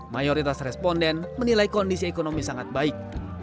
mayoritas responden menilai kondisi ekonomi sangat baik